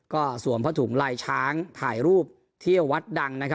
ก็สวมพระถุงไล่ช้างถ่ายรูปเที่ยววัดดังนะครับ